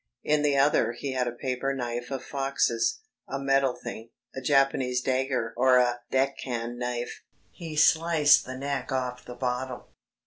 In the other he had a paper knife of Fox's a metal thing, a Japanese dagger or a Deccan knife. He sliced the neck off the bottle.